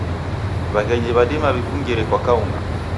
Waghenyi wadima wikuingire kwa kaung'a